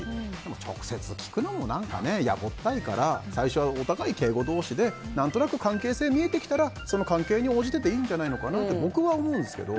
直接聞くのも何か野暮ったいから敬語同士で、何となく関係性が見えてきたら関係に応じてでいいんじゃないかと僕は思うんですけど。